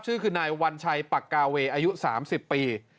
ชื่อคือนายวัญชัยปักกาเวอายุ๓๐ปี